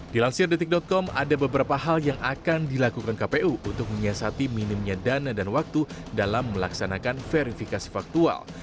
dilansir detik com ada beberapa hal yang akan dilakukan kpu untuk menyiasati minimnya dana dan waktu dalam melaksanakan verifikasi faktual